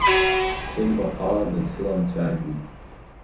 Сыӡбахә ала, дагьсыламцәажәеит.